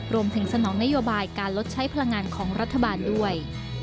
สนองนโยบายการลดใช้พลังงานของรัฐบาลด้วย